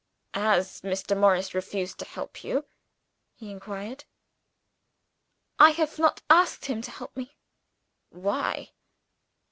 "Has Mr. Morris refused to help you?" he inquired. "I have not asked him to help me." "Why?"